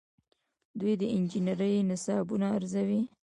دوی د انجنیری نصابونه ارزوي.